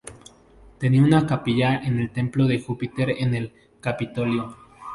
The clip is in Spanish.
Tenía una capilla en el templo de Júpiter en el Capitolio.